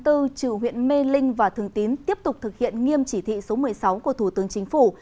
trừ huyện mê linh và thường tín tiếp tục thực hiện nghiêm chỉ thị số một mươi sáu của thủ tướng chính phủ